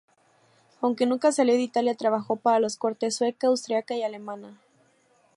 Aunque nunca salió de Italia, trabajó para las cortes sueca, austríaca y alemana.